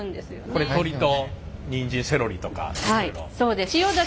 これ鶏とにんじんセロリとかそういうの？